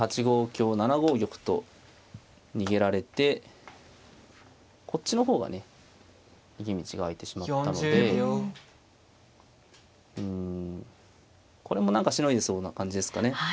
８五香７五玉と逃げられてこっちの方がね逃げ道があいてしまったのでうんこれも何かしのいでそうな感じですかね。